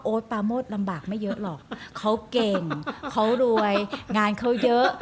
ปาโมดลำบากไม่เยอะหรอกเขาเก่งเขารวยงานเขาเยอะ